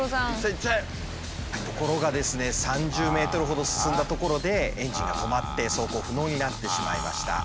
ところがですね３０ｍほど進んだところでエンジンが止まって走行不能になってしまいました。